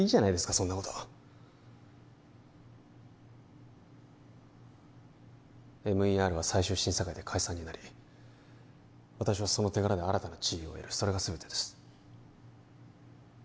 そんなことＭＥＲは最終審査会で解散になり私はその手柄で新たな地位を得るそれが全てです